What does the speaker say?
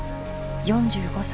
４５歳。